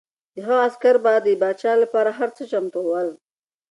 د هغه عسکر به د پاچا لپاره هر څه ته چمتو ول.